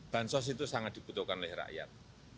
bansos itu sangat dibutuhkan oleh rakyat